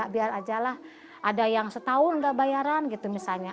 biar aja lah ada yang setahun nggak bayaran gitu misalnya